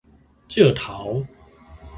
照頭